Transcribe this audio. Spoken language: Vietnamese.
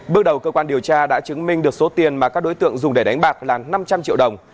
bước đầu cơ quan điều tra đã chứng minh được số tiền mà các đối tượng dùng để đánh bạc là năm trăm linh triệu đồng